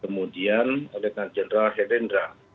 kemudian letnan jenderal herendra